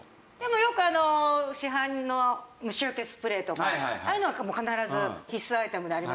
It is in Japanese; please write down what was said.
よく市販の虫よけスプレーとかああいうのはもう必ず必須アイテムであります。